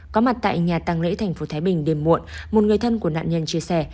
có mặt tại nhà tăng lễ thành phố thái bình để muộn một người thân của nạn nhân chia sẻ